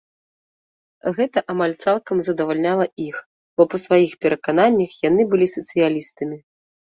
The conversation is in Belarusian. Гэта амаль цалкам задавальняла іх, бо па сваіх перакананнях яны былі сацыялістамі.